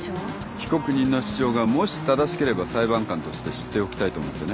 被告人の主張がもし正しければ裁判官として知っておきたいと思ってね。